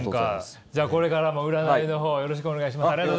じゃあこれからも占いの方よろしくお願いします。